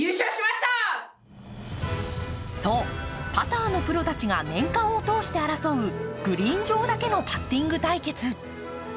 そう、パターのプロたちが年間を通して争うグリーン上だけのパッティング対決。